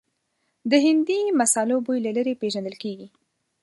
د هندي مسالو بوی له لرې پېژندل کېږي.